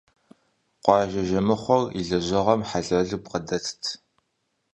Къуажэ жэмыхъуэр и лэжьыгъэм хьэлэлу бгъэдэтт.